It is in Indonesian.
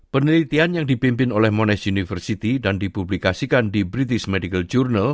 penelitian yang dipimpin oleh monash university dan dipublikasikan di british medical journal